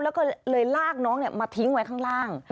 แล้วก็เลยลากน้องมาทิ้งไว้ข้างล่าง